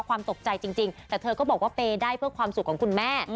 ความตกใจจริงแต่เธอก็บอกว่าเปย์ได้เพื่อความสุขของคุณแม่